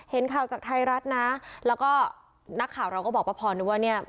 เห็นข่าวจากไทยรัฐนะแล้วก็นักข่าวเราก็บอกป้าพรด้วยว่าเนี่ย